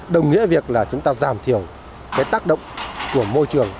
đồng nghĩa việc là chúng ta giảm thiểu cái tác động của môi trường